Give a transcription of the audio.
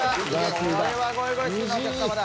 これはゴイゴイスーなお客様だ。